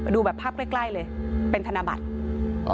ดูแบบภาพใกล้เลยเป็นธนบัตร